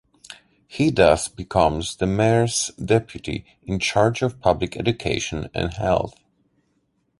He thus becomes the mayor’s deputy, in charge of public education and health.